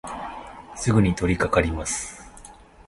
すぐにとりかかります。